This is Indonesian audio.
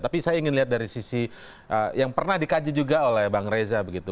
tapi saya ingin lihat dari sisi yang pernah dikaji juga oleh bang reza begitu